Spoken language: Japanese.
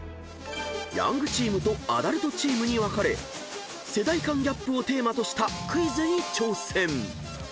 ［ヤングチームとアダルトチームに分かれ世代間ギャップをテーマとしたクイズに挑戦］